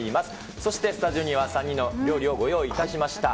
そして、スタジオには３人の料理をご用意いたしました。